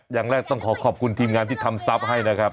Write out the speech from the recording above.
อย่างแรกต้องขอขอบคุณทีมงานที่ทำทรัพย์ให้นะครับ